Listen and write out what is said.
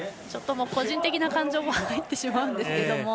ちょっと個人的な感情も入ってしまうんですけど。